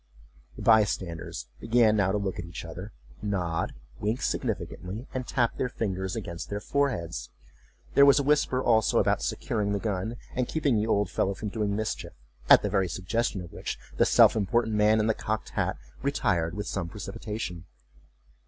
The by standers began now to look at each other, nod, wink significantly, and tap their fingers against their foreheads. There was a whisper also, about securing the gun, and keeping the old fellow from doing mischief, at the very suggestion of which the self important man in the cocked hat retired with some precipitation.